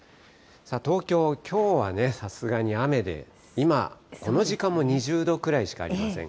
東京、きょうはさすがに雨で、今、この時間も２０度くらいしかありません。